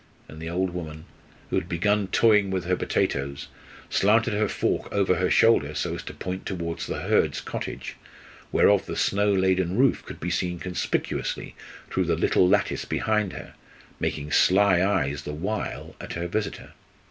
And the old woman, who had begun toying with her potatoes, slanted her fork over her shoulder so as to point towards the Hurds' cottage, whereof the snow laden roof could be seen conspicuously through the little lattice beside her, making sly eyes the while at her visitor.